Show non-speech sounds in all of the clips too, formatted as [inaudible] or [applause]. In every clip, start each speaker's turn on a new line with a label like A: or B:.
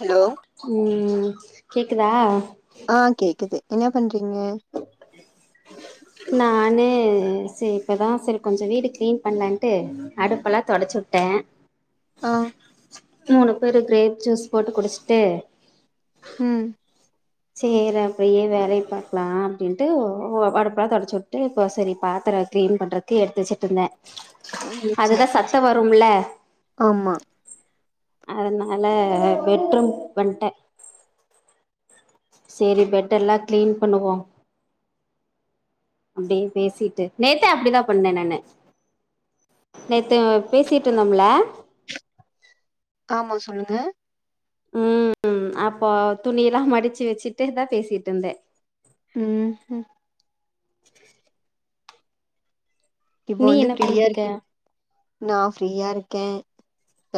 A: Hello
B: கூமு கேக்குதா
A: ஆ கேக்குது என்ன பண்றீங்க
B: நானு செரி இப்பதா செரி கொஞ்ச வீடு கிளீன் பண்லான்ட்டு அடுப்பெல்லா தொடச்சுட்டே
A: ஆ
B: மூணு பேரு கிரேப் ஜூஸ் போட்டு குடிச்சிட்டு
A: ம்
B: சேரி அப்டியே வேலய பாக்லா அப்டின்ட்டு ஒ அடுப்பல்லா தொடச்சுட்டு இப்ப செரி பாத்திர க்ளீன் பண்றதுக்கு எடுத்து வெச்சிட்ருந்தே
A: ம் சேரி
B: அதுதா சத்த வரும்ல்ல
A: ஆமா
B: அதனால பெட்ரூம்க் வந்டே சேரி பெட்டெல்லா க்ளீன் பண்ணுவோ அப்டியே பேசீட்டு நேத்தே அப்டிதா பண்ணே நானு நேத்து பேசீட்ருந்தோம்ல
A: ஆமா சொல்லுங்க
B: ம் அப்போ துணில்லா மடிச்சு வெச்சிட்டேதா பேசீட்ருந்தே
A: ம் ஹும் இப்போ
B: நீ
A: வந்து
B: என்ன
A: ஃப்ரீயா
B: பண்ணிட்டு இருக்க
A: இருக்கி [inaudible] நா வந்து ஃப்ரீயா இருக்கே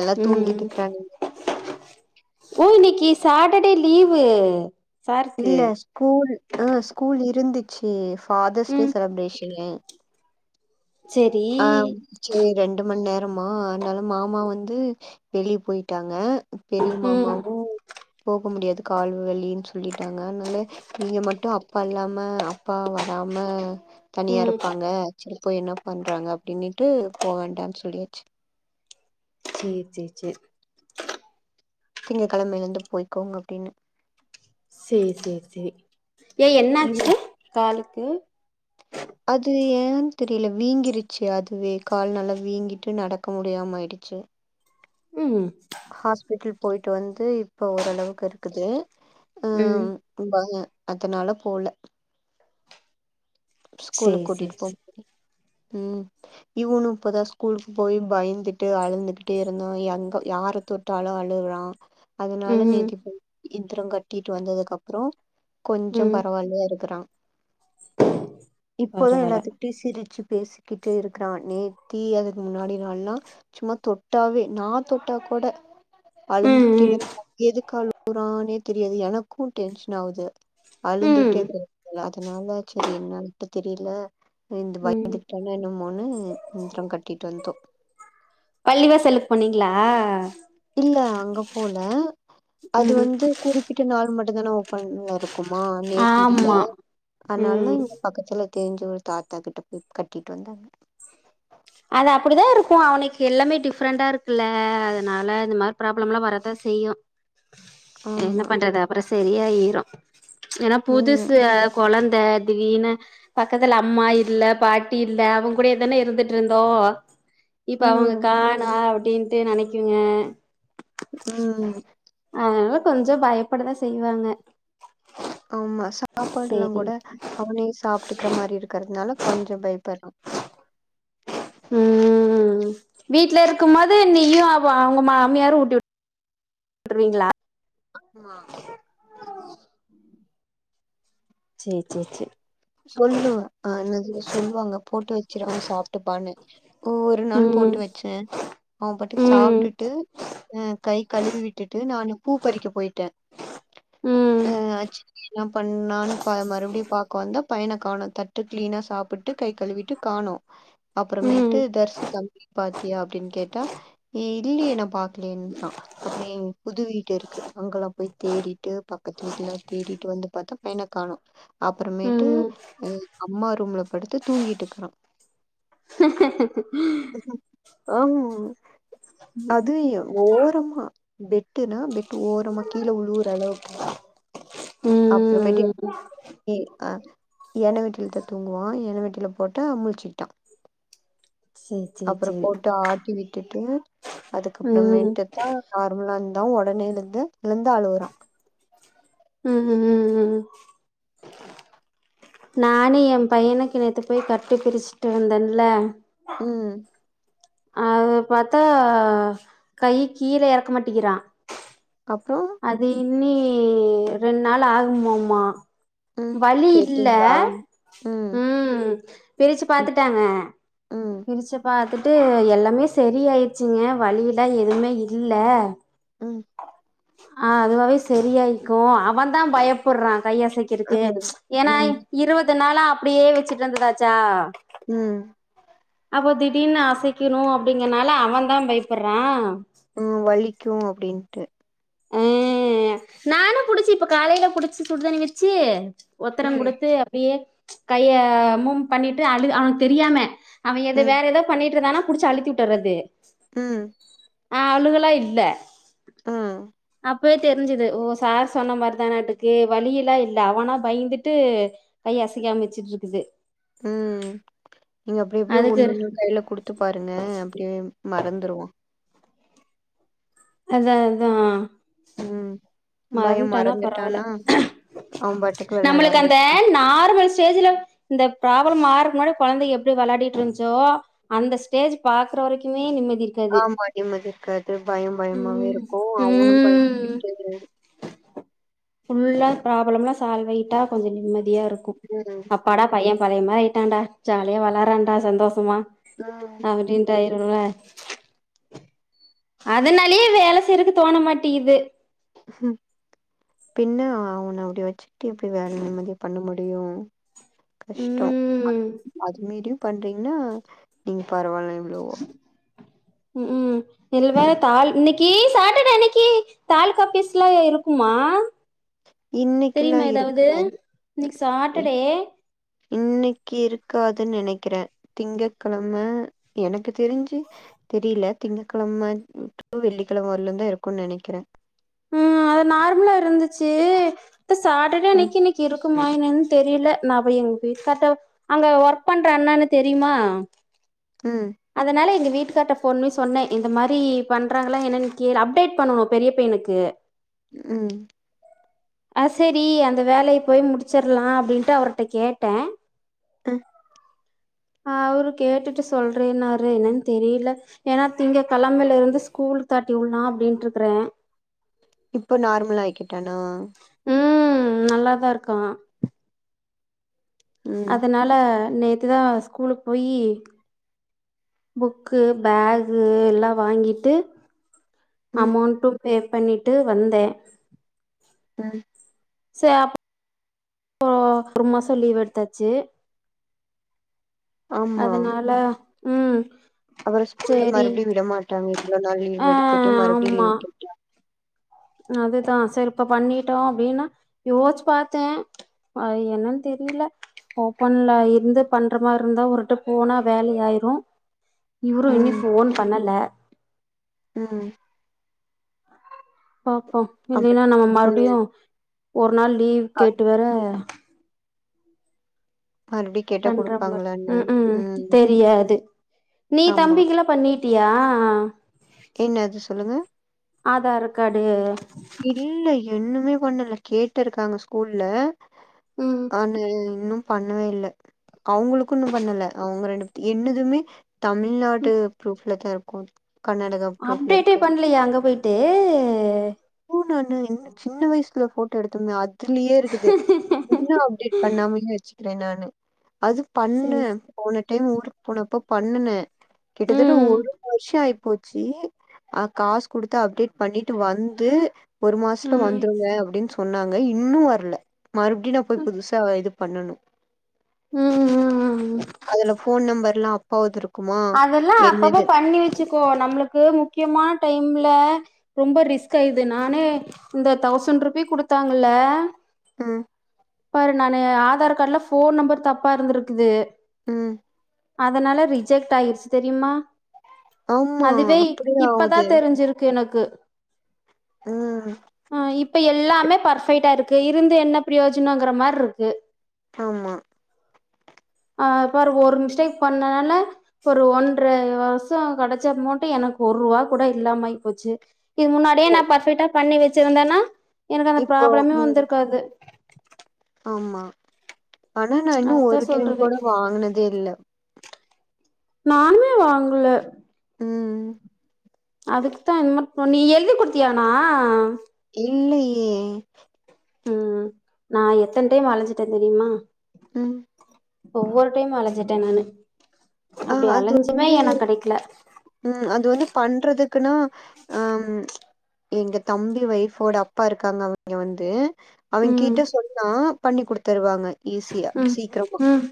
A: எல்லா தூங்கிட்டு
B: ம்
A: இருக்கறானுங்க
B: ஓ இன்னைக்கு சாட்டடே லீவு சாருக்கு
A: இல்ல ஸ்கூல் அ ஸ்கூல் இருந்துச்சு ஃபாதர்ஸ் டே
B: ம்
A: செலப்ரேஷனு
B: செரி
A: ஆ செரி ரெண்டு மண் நேரமா அதனால மாமா வந்து வெளிய போயிட்டாங்க பெரிய
B: ம்
A: மாமாவு போக முடியாது கால் வலின்னு சொல்லிட்டாங்க அதனால நீங்க மட்டு அப்பா இல்லாம அப்பா வராம தனியா
B: ம்
A: இருப்பாங்க செரி இப்ப என்ன பண்றாங்க அப்டின்னுட்டு போ வேண்டான்னு சொல்லியாச்சு
B: சேரி சேரி சேரி
A: திங்க கெழமைலந்து போயக்கோங்க அப்டின்னு
B: சேர் சேர் சேரி ஏ
A: இவ்
B: என்னாச்சு காலுக்கு
A: அது ஏன்னு தெரியல வீங்கிருச்சு அதுவே கால் நல்லா வீங்கிட்டு நடக்க முடியாம ஆயிடுச்சு
B: ம்
A: ஹாஸ்பிட்டல் போயிட்டு வந்து இப்ப ஓரளவுக்கு இருக்குது
B: ம்
A: பயோ அதுனால போல ஸ்கூலுக்கு
B: சேரி
A: கூட்டிட்டு
B: சேரி
A: போம்
B: சேரி
A: ம் இவனு இப்பதா ஸ்கூலுக்கு போய் பயந்துட்டு அழுந்துகிட்டே இருந்தா எங்க யாரு தொட்டாலு அழுறா அதுனால
B: ம்
A: நேத்தி இந்தந்திரம் கட்டிட்டு வந்ததுக்கு அப்றோ கொஞ்ச
B: ம்
A: பரவாயில்லையா இருக்கிறா இப்பதா
B: பரவால்ல
A: எல்லாத்துட்டையு சிரிச்சு பேசிக்கிட்டு இருக்கிறா நேத்தி அதுக்கு முன்னாடி நாள்லா சும்மா தொட்டாவே நா தொட்டா கூட
B: ம்
A: அழுந்துகிட்டே
B: ம்
A: இருப்ப எதுக்கு அளுகுறானே தெரியாது எனக்கு டென்ஷன் ஆவுது அழுந்துகிட்டே
B: ம்
A: இருக்கிற அதனால செரி என்னனு தெரியல இந்த
B: ம்
A: பயந்துகிட் டனோ என்னமோன்னு மந்திரம் கட்டிட்டு வந்தோ
B: பள்ளிவாசலுக்கு போனீங்களா
A: இல்ல அங்க போல அது
B: ம்
A: வந்து குறிப்பிட்டு நாள் மட்டு தானே ஓப்பன்ல இருக் இருக்குமா நேத்து இல்ல
B: ஆமா
A: அதனால
B: ம்
A: இங்க பக்கத்துல தெரிஞ்ச ஒரு தாத்தாக்கிட்ட போய் கட்டிட்டு வந்தாங்க
B: அது அப்படிதா இருக்கு அவனுக்கு எல்லாமே டிஃப்ரெண்டா இருக்குல்ல அதனால இந்த மாரி ப்ராப்ளமல்லா வரதா செய்யு என்ன
A: ஆமா
B: பண்றது அப்புற சரியாயிரு ஏனா
A: ம்
B: புதுசு கொழந்த தீடீர்னு பக்கத்துல அம்மா இல்ல பாட்டி இல்ல அவுங்க கூடேதானே இருந்துட் டுருந்தோ இப்ப அவுங்க
A: ம்
B: காணோ அப்டின்ட்டு நெனைக்குங்க
A: ம்
B: அதனால கொஞ்ச பயப்படதா செய்வாங்க
A: ஆமா சாப்பாடுல்லா
B: சேரி
A: கூட அவனே சாப்ட்டுக்கிற மாரி இருக்கிறதுனால கொஞ்ச பயப்பட்றோ
B: ம் வீட்ல இருக்கம் போது நீயு அவ உங்க மாமியாரு ஊட்டி விட் ட்ருவீங்களா
A: ஆமா
B: சேர் சேர் சேர்
A: சொல்லுவ அ என்னது சொல்லுவாங்க போட்டு வச்சிரு அவன் சாப்ட்டுப்பானு ஒ ஒரு நாள் போட்டு
B: ம்
A: வச்சே அவன் பாட்டுக்கு
B: ம்
A: சாப்ட்டுட்டு அ கை கழுவி விட்டுட்டு நானு பூ பறிக்க போயிட்டே
B: ம்
A: அ சட்னி எல்லாம் பண்ணான்னு மறுபடியு பாக்க வந்தா பையன காணோ தட்டு கிளீனா சாப்பிட்டு கை கழுவிட்டு காணோ அப்புறமேட்டு
B: ம்
A: தர்சு தம்பி பாத்தியா அப்டின்னு கேட்டா எ இல்லியே நா பாக்கலேன்கிரா அப்புற என் புது வீட்டு இருக்கு அங்கெல்லா போய் தேடிட்டு பக்கத்து வீட்லல்லா தேடிட்டு வந்து பாத்தா பையன காணோ அப்புறமே ட்டு
B: ம்
A: ம் அம்மா ரூம்ல படுத்து தூங்கிட்டு இருக்கிறா ஹம் அதுய் ஓரமா பெட்டுனா பெட்டு ஓரமா கீழ உழுவுற அளவுக்கு அப்புறமேட்டு
B: ம்
A: [unintelligible] யேன வெட்டுயிலத்த தூங்குவா யேன வெட்டுயில போட்டா முழிச்சிகிட்டா
B: சேரி சேரி
A: அப்புறம்
B: சேரி
A: போட்டு ஆட்டி விட்டுட்டு
B: ம்
A: அதுக்கப்பறமேட்டுத்தா நார்மலா இருந்தா உடனே எழுந்து எழுந்து அழுவுறா
B: ம் ம் ம் நானே ஏ பையனுக்கு நேத்து போய் கட்டு பிரிச்சுட்டு வந்தேன்ல
A: ம்
B: அது பாத்தா கை கீழ எறக்க மாட்டிக்கிறா
A: அப்றோ
B: அது இன்னி ரெண்டு நாள் ஆகுமோ மா
A: ம்
B: வழி இல்ல
A: கேட்டீங்களா
B: ம் பிரிச்சு
A: ம்
B: பாத்துட்டாங்க
A: ம்
B: பிரிச்சப் பாத்துட்டு எல்லாமே சரியாயிடுச்சுங்க வலியில்லா எதுவுமே இல்ல
A: ம்
B: ஆ அதுவாவே சரியாயிக்கு அவன் தா பயப் புட்றா கையசைக்கிறதுக்கு
A: ம்
B: ஏன்னா
A: ம்
B: இருவது நாளா அப்டியே வச்சுட்டு இருந்ததாச்சா
A: ம்
B: அப்போ திடீனு அசைக்கணு அப்டிங்கறனால அவன் தா பயப்படுறா
A: ம் வலிக்கு அப்டின்ட்டு
B: அஹ் நானு புடிச்சு இப்ப காலையில புடிச்சு சுடுதண்ணி வெச்சி ஒத்தடம்
A: ம்
B: குடுத்து அப்டியே கைய மூம் பண்ணிட்டு அழுது அவனுக்கு தெரியாம அவ எதோ
A: ம்
B: வேற ஏதோ பண்ணிட்ருந்தானா புடிச்சு அழுத்தி விட்டற்றது
A: ம்
B: அழுகலா இல்ல
A: ம்
B: அப்யே தெரிஞ்சுது ஓ சார் சொன்ன மாரிதானேட்டுக்கு வலியிலா இல்ல அவனா பய்ந்துட்டு கை அசைக்காம வெச்சிட்டுருக்குது
A: உம் நீங்க அப்டி அப்டியே
B: அதுக்கு
A: ஒண்ணொண்ணு கைல குடுத் து பாருங்க அப்டியே மறந்துருவா
B: அத்தா அத்தா
A: ம் பயம்
B: மறந்ட்டான பரவால
A: மறந்துட்டான்னா அவன் பாட்டுக்கு வெளையாட
B: நம்ளுக்கு அந்த
A: ஆரம்பிச்சிருவான்
B: நார்மல் ஸ்டேஜ்ல இந்த ப்ராப்ளம் ஆரக்கு முன்னாடி கொழந்த எப்டி வெளாடிய்ருந்துச்சோ அந்த ஸ்டேஜ் பாக்குற வரைக்குமே நிம்மதி இருக்காது
A: ஆம நிம்மதிருக்காது பயம் பயமாவே
B: ம்
A: இருக்கு அவனு
B: ம்
A: பயந்துகிட்டு
B: புல்லா ப்ராப்ளம்லா சால்வ் ஆயிட்டா கொஞ்ச நிம்மதியா இருக்கு
A: ம்
B: அப் ப்படா பைய பழைய மாரி ஆயிட்டான்டா ஜாலியா வளாறாண்டா சந்தோஷமா
A: ம்
B: அப்டின்ட்டு ஆயிரும்ல அதனாலயே வேல செய்றக்கு தோணமாட்டிக்குது
A: ம் பின்ன அவன அப்டி வச்சுக்கிட்டு எப்டி வேல நிம்மதியா பண்ண முடியு கஷ்டோ
B: ம்
A: அது மீறியு பண்றீங்கன்னா நீங்க பரவால்ல எவ்வளவோ
B: ம் ம் இல்ல வேர் தால் இன்னிக்கி சாட்டர்டே இன்னிக்கி தாலுகா ஆபீஸ்லா இருக்குமா
A: இன்னைக்குல்லா
B: தெரியுமா ஏதாவது
A: இருக்காது
B: இன்னைக்கு சாட்டர்டே
A: இன்னக்கி இருக்காதுன் நெனக்கிறே திங்ககிழம எனக்கு தெரிஞ்சு தெரில திங்ககிழம டூ வெள்ளிக்கெழம வரலுதா இருக்கு நெனைக்கிறே
B: ம் அத நார்மலா இருந்துச்சு இத்து சாட்டர்டே
A: ம்
B: அன்னக்கி இன்னைக்கு இரு ருக்குமா என்னனு தெரில நா அப்ப எங்க வீட்கார்ட்ட அங்க ஒர்க் பண்ற அண்ணனு தெரியுமா
A: ம்
B: அதனால எங்க வீட்டுக்காற்ட போன் பண்ணி சொன்னே இந்த மாரி பண்றாங்கலா என்னன்னு கேளு அப்டேட் பண்ணனு பெரிய பையனுக்கு
A: ம்
B: ஆ சரி அந்த வேலய போய் முடிச்சர்லா அப்டின்ட்டு அவர்ட்ட கேட்ட
A: அ
B: ஆ அவரு கேட்டுட்டு சொல்றேன்னாரு என்னன்னு தெரியல ஏனா திங்க கெழமைல இருந்து ஸ்கூல் தாட்டி உள்லா அப்டின்ட்டு இருக்ற
A: இப்போ நார்மலா ஆயிகிட்டனா
B: ம் நல்லாதா இருக்க
A: ம்
B: அதனால நேத்துதா ஸ்கூலுக்கு போயி புக்கு பேகு எல்லா வாங்கிட்டு
A: ம்
B: அமௌண்டு பே பண்ணிட்டு வந்தே
A: ம்
B: சரி அப் ஒ ஒரு மாசோ லீவ் எடுத்தாச்சு
A: ஆமா
B: அதனால ம்
A: அவர ஸ்கூல்ல
B: சரி
A: மறுபடி விட மாட்டாங்க இவளோ நாள் லீவ்
B: ஆ
A: எடுத்துட்டு மறுபடி லீவ்
B: ஆமா
A: கேட்டா
B: அதுதா சரி இப்ப பண்ணிட்டோ அப்படின்னா யோசிச்சு பாத்தே அ என்னன்னு தெரிய்ல ஓபன்ல இருந்து பண்ரமார் இருந்தா ஒருரெட்டு போனா வேல ஆயிரு இவரு இன்னி
A: ம்
B: ஃபோன் பண்ணல
A: ம்
B: பாப்போ
A: அப்டி
B: இல்லைன்னா நம்ம
A: ம்
B: மறுபடியு ஒரு நாள் லீவ் கேட்டு வேர
A: மறுடி
B: பண்ற மார் ம் ம் தெரியாது நீ
A: ஆமா
B: தம்பிகள பண்ணிட்டியா
A: என்ன அது சொல்லுங்க
B: ஆதார் காடு
A: இல்ல என்னும்மே பண்ணல கேட்டருக்காங்க ஸ்கூல்ல
B: ம்
A: ஆன்னு இன்னு பண்ணவே இல்ல அவங்களுக்கு இன்னு பண்ணல அவங்க ரெண் என்னுதுமே தமிழ்நாடு
B: ம்
A: ப்ரூஃப்ல தா இருக்கு கர்நாடகா ப்ரூஃப்ல
B: அப்டேட்டே
A: இருக்காது
B: பண்ணலையா அங்க போயிட்டு
A: போ நான்னு என் சின்ன வயசுல போட்டோ எடுத்துருந்த அதுலயே இருக்குது இன்னு அப்டேட் பண்ணாமயே வச்சுக்கிற நானு அது பண்ணு
B: சேரி
A: போன டைம் ஊருக் போனப்ப பண்ணுன கிட்டத்தட்ட
B: ம்
A: ஒரு வருஷோ ஆய் போச்சி அ காசு குடுத்து அப்டேட் பண்ணிட்டு வந்து ஒரு மாசத்ல
B: ம்
A: வந்துருங்க அப்டின்னு சொன்னாங்க இன்னு வர்ல மறுபடி நா போ புதுசா இது பண்ணணு
B: ம் ம் ம்
A: அதுல ஃபோன் நம்பர்லா போதுருக்குமா
B: அதெல்லா அப்பப்ப பண்ணி வச்சுக்கோ நம்ளுக்கு முக்கியமா டைம்ல ரொம்ப ரிஸ்க இது நானே இந்த தௌசண் ருபி குடுத்தாங்கல்ல
A: ம்
B: பாரு நானு ஆதார் காடுல ஃபோன் நம்பர் தப்பா இருந்துருக்குது
A: ம்
B: அதனால ரிஜெக்ட் ஆய்ருச்சி தெரிமா
A: ஆமா.
B: அதுவே இப்
A: அப்டியே
B: இப்பதா
A: ஆவுது.
B: தெரிஞ்சிருக்கு எனக்கு
A: ம்.
B: ஆ இப் இப்ப எல்லாமே பர்ஃபெக்ட்டா இருக்கு இருந்து என்ன ப்ரயோஜனோங்குற மாரிருக்கு
A: ஆமா
B: ஆ பாரு ஒரு மிஸ்டேக் பண்ணனால ஒரு ஒன்ற வருஷோ கெடச்ச மட்டு எனக்கு ஒரு ரூவா கூட இல்லாம ஆய் போச்சு இது முன்னாடியே நா பெர்ஃபெக்ட்டா பண்ணி வச்சிருந்தேன்னா எனக்கு அந்த
A: இப்போ
B: ப்ராப்ளமே
A: ம்.
B: வந்துருக்காது
A: ஆமா ஆனா நா இன்னு
B: அதத்தா
A: ஒரு டைம்
B: சொல்றது
A: கூட வாங்குனதே இல்ல
B: நானுமே வாங்கல
A: ம்
B: அதுக்குத்தா என்ன புண்ணி நீ எழுதி குடுத்தியானா
A: இல்லயே
B: ம் நா எத்தன டைம் அலஞ்சிட்ட தெரிமா
A: ம்
B: ஒவ்வொரு டைம் அலஞ்சிட்டன
A: ஆ அது வந்து
B: கெடைக்கல
A: ம் அது வந்து பண்றதுக்குன்னா அம் எங்க தம்பி வொய்ஃபோட அப்பா இருக்காங்க அவிங்க வந்து
B: ம்
A: அவிங்கிட்ட சொன்னா பண்ணி குடுத்துருவாங்க ஈஸியா
B: ம்
A: சீக்கிரமா
B: ம்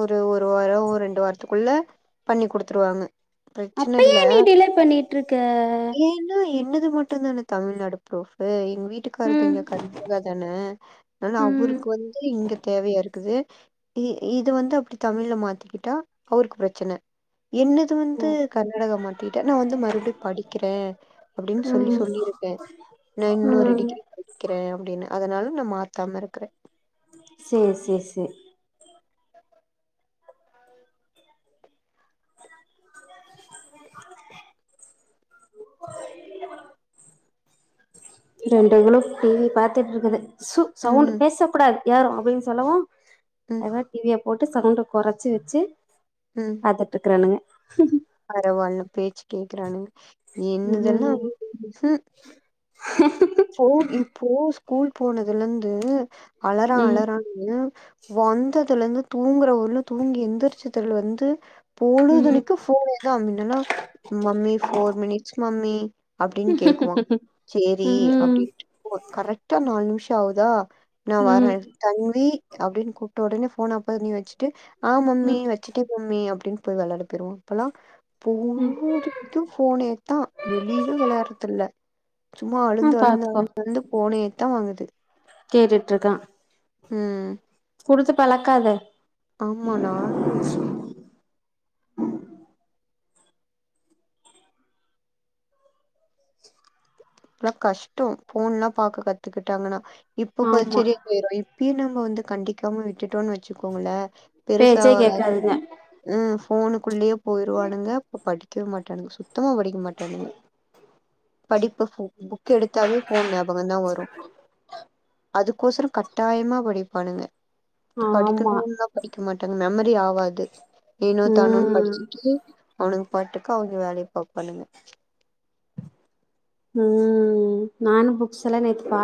A: ஒரு ஒரு வாரோ ரெண்டு வாரத்துக்குள்ள பண்ணி குடுத்துருவாங்க ப்ரச்சன இல்ல
B: அப்பயே நீ டிலே பண்ணிட்ருக்க
A: ஏன்னா என்னது மட் டுந்தான தமிழ்நாடு ப்ரூஃப்பு எங் வீட்டுக்காரது
B: ம்
A: இங்க கர்நாடகா தானே ஆனால
B: ம்
A: அவுருக்கு வந்து இங்க தேவயாரு க்குது இ இது வந்து அப்டி தமிழ்ல மாத்திக்கிட்டா அவுருக்கு ப்ரச்சன என்னது வந்து கர்நாடகா மாத்திக்கிட்டா நா வந்து மறுபடியு படிக்கிற அப்டின் சொல்லி
B: ம்
A: சொல்லிருக்க நா இன்னொரு
B: ம்
A: டிகிரி படிக் கிற அப்டின்னு அதனால நா மாத்தாம இருக்குற
B: சேர் சேர் சே ரெண்டுகளு டிவி பாத்துட்ருக்குது சு சவுண்ட்டு
A: ம்
B: பேச கூடாது யாரு அப்டின்னு சொல்லவா
A: ம்
B: அது மாரி டிவிய போட்டு சவுண்ட்ட கொறச்சி வச்சி
A: ம்
B: பாத்துட்ருக்றானுங்க
A: பரவால்ல பேச்சு கேக்குறானுங்க என்னதெல்லா
B: ம்
A: ஹும் ஃபோன் இப்போ ஸ்கூல் போனதுலந்து அழறா
B: ம்
A: அழறா னு வந்ததுலந்து தூங்குறவர்லு தூங்கி எந்திரிச்சதுலந்து
B: ம்
A: பொழுதனைக்கு ஃபோனே தா இல்லனா மம்மி ஃபோர் மினிட்ஸ் மம்மி அப்டின்னு கேக்குவா சேரி
B: ம்
A: ஓ கரெக்டா நால் நிம்ஷோ ஆவுதா நா வரே
B: ம்
A: தன்வி அப்டின்னு கூப்ட ஒடனே ஃபோன் ஆஃப் பண்ணி வச்சுட்டு ஆ மம்மி
B: ம்
A: வச் சுட்டே மம்மி அப்டின்னு போய் வெளாட போயிருவா இப்பெல்லா பொழுது அது ஃபோனே தா வெளியவே வெளயாட்றது இல்ல சும்மா
B: ஆ
A: அழுது
B: பாத்துக்கோ
A: அழுதுஅழுது ஃபோனே தா வாங்குது
B: கேட்டுட்ருக்கா
A: ம்
B: குடுத்து பழக்காத
A: ஆமா நானு [inaudible] இப்லா கஷ்டோ ஃபோன்ல்லா பாக்க கத்துக்கிட்டாங்கன்னா இப்ப ப
B: ஆமா
A: செரியா போயிரு இப்பயே நம்ம வந்து கண்டிக்காம விட்டுட்டோனு வச்சுக்கோங்கள
B: பேச்சே
A: பெருசாவாக ஆக
B: கேக்காதுங்க
A: [inaudible] ம் ஃபோனுக்குள்ளேயே போயிருவானுங்க படிக்கவே மாட்டானுங்க சுத்தமா படிக்க மாட்டானுங்க படிப்பு ஃபோ புக் எடுத்தாவே ஃபோன் ஞாபகோ தா வரு அதுக்கோசரம் கட்டாயமா படிப்பானுங்க அடுத்து
B: ஆமா
A: படிக்கணுனா படிக்க மாட்டாங்க மெமரி ஆவாது ஏனோ தானோனு
B: ம்
A: படிச்சிட்டு அவனுங்க பாட்டுக்கு அவுங்க வேலைய பாப்பானுங்க
B: ம் நானு புக்ஸ் எல்லா நேத்து பாத்